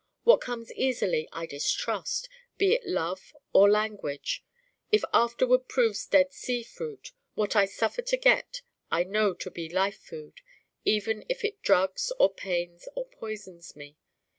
What comes easily I distrust, be it love or language. It afterward proves dead sea fruit. What I suffer to get I know to be life food even if it drugs or pains or poisons me.